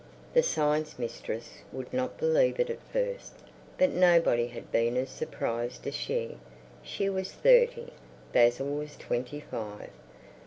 The Science Mistress would not believe it at first. But nobody had been as surprised as she. She was thirty. Basil was twenty five.